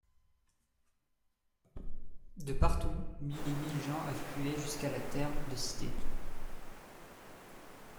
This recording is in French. De partout, mille et mille gens affluaient jusqu'à la Terre de Cité.